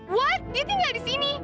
what dia tinggal disini